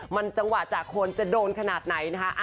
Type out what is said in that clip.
มันจังหวะจากคนจะโดนขนาดไหนนะคะ